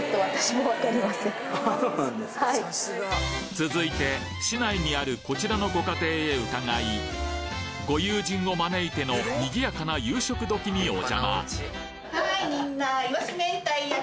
続いて市内にあるこちらのご家庭へ伺いご友人を招いての賑やかな夕食時にお邪魔はいみんな。